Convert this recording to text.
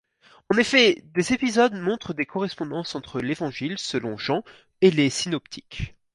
En effet, des épisodes montrent des correspondances entre l'évangile selon Jean et les synoptiques.